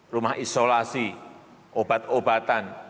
rumah isolasi obat obatan